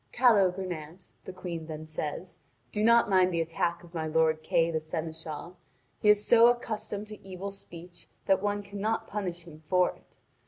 "Calogrenant," the Queen then says, "do not mind the attack of my lord Kay the seneschal. He is so accustomed to evil speech that one cannot punish him for it.